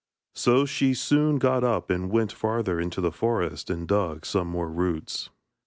So she soon got up and went farther into the forest and dug some more roots.